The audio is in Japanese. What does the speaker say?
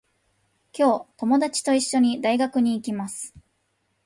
今日、ともだちといっしょに、大学に行きます。